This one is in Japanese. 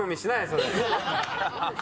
それ。